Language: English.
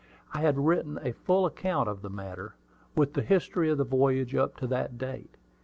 I had written a full account of the matter, with the history of the voyage up to that date.